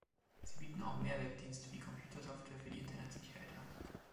Sie bieten auch Mehrwertdienste wie Computersoftware für die Internetsicherheit an.